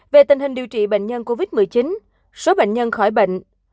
về tình hình điều trị bệnh nhân covid một mươi chín số bệnh nhân khỏi bệnh